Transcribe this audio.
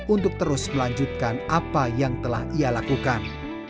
untuk terus melanjutkan apa yang telah ia lakukan